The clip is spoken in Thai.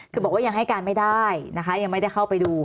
คือบอกว่ายังให้การไม่ได้นะคะยังไม่ได้เข้าไปดู